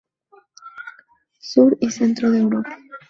Sur y centro de Europa.